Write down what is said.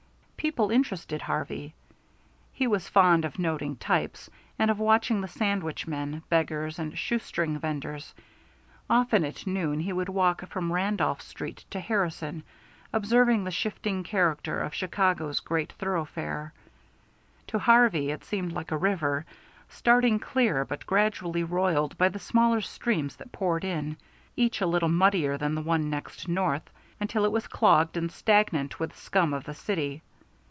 People interested Harvey. He was fond of noting types, and of watching the sandwich men, beggars, and shoe string venders. Often at noon he would walk from Randolph Street to Harrison, observing the shifting character of Chicago's great thoroughfare. To Harvey it seemed like a river, starting clear but gradually roiled by the smaller streams that poured in, each a little muddier than the one next north, until it was clogged and stagnant with the scum of the city.